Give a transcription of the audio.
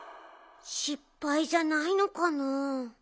しっぱいじゃないのかな？